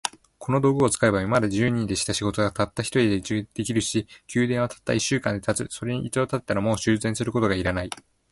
この道具を使えば、今まで十人でした仕事が、たった一人で出来上るし、宮殿はたった一週間で建つ。それに一度建てたら、もう修繕することが要らない。